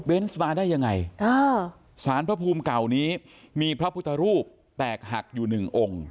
มาได้ยังไงอ่าสารพระภูมิเก่านี้มีพระพุทธรูปแตกหักอยู่หนึ่งองค์